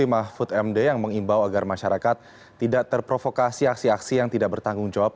ya ketua mahkamah konstitusi mahfud md yang mengimbau agar masyarakat tidak terprovokasi aksi aksi yang tidak bertanggung jawab